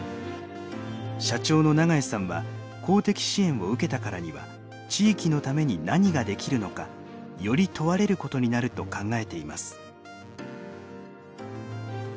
社長の永江さんは公的支援を受けたからには地域のために何ができるのかより問われることになると考えています。